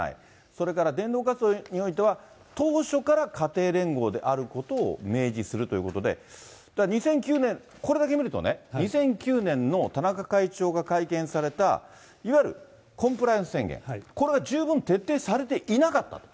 それから伝道活動においては、当初から家庭連合であることを明示するということで、だから２００９年、これだけ見るとね、２００９年の田中会長が会見されたいわゆるコンプライアンス宣言、これが十分徹底されていなかったと。